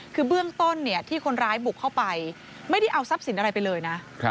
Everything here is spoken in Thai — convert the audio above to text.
คือเบื้องต้นที่คนร้ายบุกเข้าไปไม่ได้เอาทรัพย์สินอะไรไปเลยนะ